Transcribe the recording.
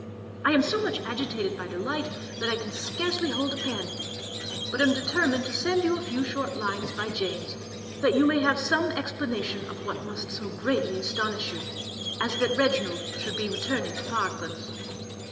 I am so much agitated by delight that I can scarcely hold a pen; but am determined to send you a few short lines by James, that you may have some explanation of what must so greatly astonish you, as that Reginald should be returning to Parklands.